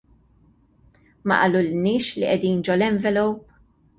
Ma qalulniex li qegħdin ġol-envelope?